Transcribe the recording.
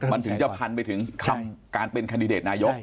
มันถึงจะพันไปถึงคำการเป็นแคนดิเดตนายก